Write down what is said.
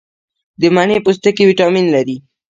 د مڼې پوستکي ویټامین لري.